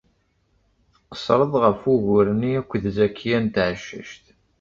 Tqeṣṣreḍ ɣef wugur-nni akked Zakiya n Tɛeccact.